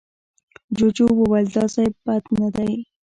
جوجو وويل، دا ځای بد نه دی.